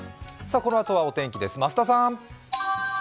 このあとはお天気です、増田さん。